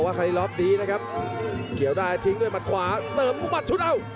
มัดขวาเติมมุมมัดชุดเอ้า